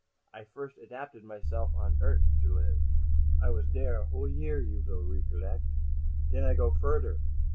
I first adapted myself on Eart' to live. I was dere a whole year, you vill recollect. Den I go further.